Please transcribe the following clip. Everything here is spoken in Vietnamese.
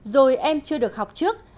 rồi em chưa được học trước